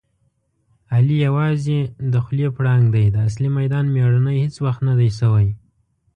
علي یووازې د خولې پړانګ دی. د اصلي میدان مېړنی هېڅ وخت ندی شوی.